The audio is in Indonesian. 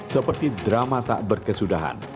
seperti drama tak berkesudahan